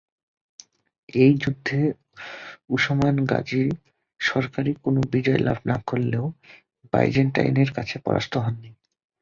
এই যুদ্ধে Osman Gazi সরাসরি কোনো বিজয় লাভ না করলেও বাইজেন্টাইনদের কাছে পরাস্ত হননি।